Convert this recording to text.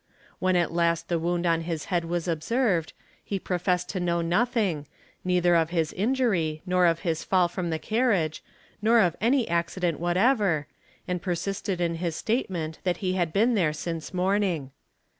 When at last the wound on his head was observed, he professed to know nothing, neither of his injury, nor of his fall from the carriage, nor of : any accident whatever, and persisted in his statement that he had been | there since morning.